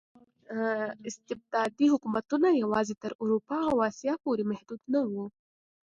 استبدادي حکومتونه یوازې تر اروپا او اسیا پورې محدود نه وو.